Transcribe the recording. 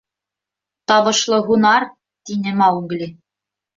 — Табышлы һунар! — тине Маугли.